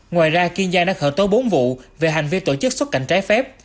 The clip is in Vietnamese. ngoài ra kiên giang đã khởi tố bốn vụ về hành vi tổ chức xuất cảnh trái phép